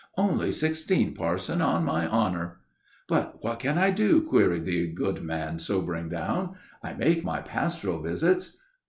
Only sixteen, parson, on my honor." "But what can I do?" queried the good man, sobering down. "I make my pastoral visits."